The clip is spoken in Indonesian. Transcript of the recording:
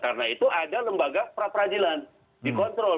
karena itu ada lembaga pra peradilan dikontrol